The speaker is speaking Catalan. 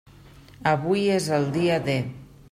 Avui és el dia D.